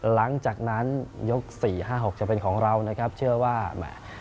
หลังจากนั้นยก๔๕๖จะเป็นของเรานะครับเชื่อว่าแหม